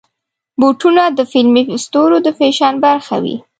بوټونه د فلمي ستورو د فیشن برخه وي.